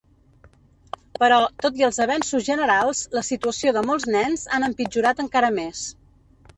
Però, tot i els avenços generals, la situació de molts nens han empitjorat encara més.